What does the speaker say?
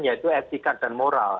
yaitu etika dan moral